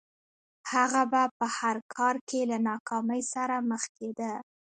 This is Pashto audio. هغه به په هر کار کې له ناکامۍ سره مخ کېده